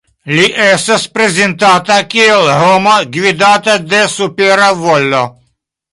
Li estas prezentata kiel homo gvidata de supera volo.